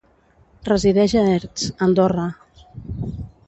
Resideix a Erts, Andorra.